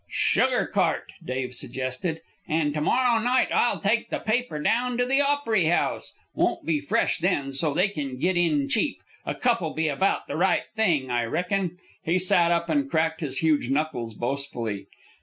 "Sugar cart," Dave suggested. "An' to morrow night I'll take the paper down to the Opery House. Won't be fresh, then, so they kin git in cheap; a cup'll be about the right thing, I reckon." He sat up and cracked his huge knuckles boastfully.